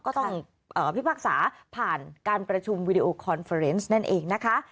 ก็ต้องพิพากษาผ่านการประชุมวิดีโอคอนเฟอร์เนสนั่นเองนะคะ